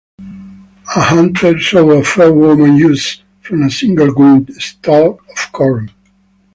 A hunter saw a fair woman issue from a single green stalk of corn.